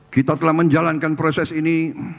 kita telah menjalankan proses ini